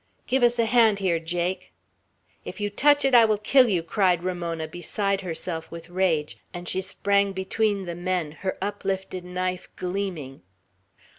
"Give us a hand here, Jake!" "If you touch it, I will kill you!" cried Ramona, beside herself with rage; and she sprang between the men, her uplifted knife gleaming.